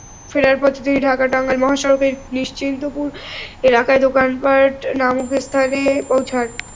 ফেরার পথে তিনি ঢাকা-টাঙ্গাইল মহাসড়কের নিশ্চিন্তপুর এলাকায় দোকানপার নামক স্থানে পৌঁছান।